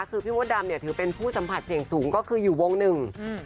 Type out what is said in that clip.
คือพี่มดดำเนี่ยถือเป็นผู้สัมผัสเสี่ยงสูงก็คืออยู่วงหนึ่งอืม